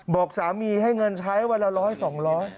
บอกสามีให้เงินใช้วันละร้อยสองร้อย